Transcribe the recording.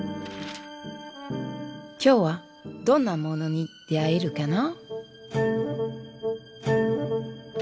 今日はどんなモノに出会えるかな。